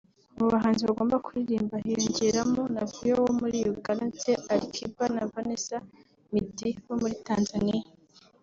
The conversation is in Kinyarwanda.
Mu bahanzi bagomba kuririmba hiyongereyemo Navio wo muri Uganda ndetse Ali Kiba na Vanessa Mdee bo muri Tanzania